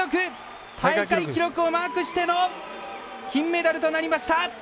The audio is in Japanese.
大会記録をマークしての金メダルとなりました！